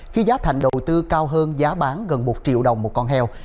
khi giá thành đầu tư cao hơn giá bán gần một triệu đồng một con heo